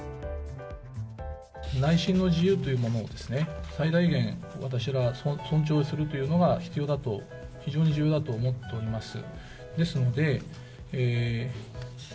内心の自由というものを最大限、私が尊重するというのが必要だと、非常に重要だと思っています。